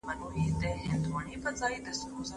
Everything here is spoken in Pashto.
ثمر ګل وویل چې مځکه د بزګر د وقار او عزت نښه ده.